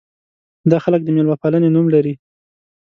دا خلک د مېلمه پالنې نوم لري.